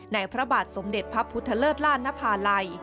พระบาทสมเด็จพระพุทธเลิศล่านภาลัย